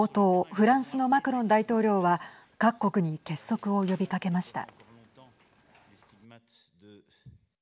フランスのマクロン大統領は各国に結束を呼びかけました。